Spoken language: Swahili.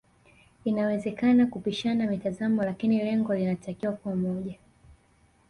Inawezakana kupishana mitazamo lakini lengo linatakiwa kuwa moja